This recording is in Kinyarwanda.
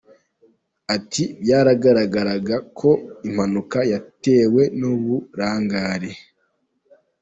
Ati” Byaragaragaraga ko impanuka yatewe n’uburangare.